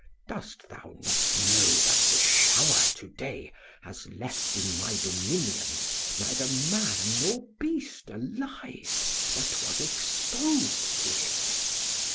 Dost thou not know that the shower to day has left in my dominions neither man nor beast alive, that was exposed to it?'